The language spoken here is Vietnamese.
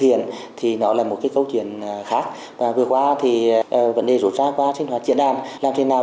hiện thì nó là một cái câu chuyện khác và vừa qua thì vấn đề rủi ro qua sinh hoạt diễn đàn làm thế nào